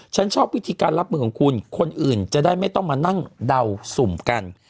ฉันชอบวิธีการรับมือของคุณคนอื่นจะได้ไม่ต้องมานั่งเดาสุ่มกัน